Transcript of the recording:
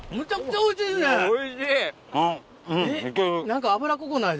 ・おいしい！